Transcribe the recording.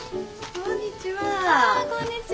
あこんにちは。